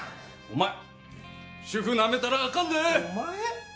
お前主夫ナメたらあかんで！